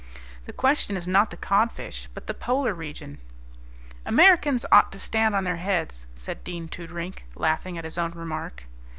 "The question is not the codfish, but the Polar region." "Americans ought to stand on their heads," said Dean Toodrink, laughing at his own remark.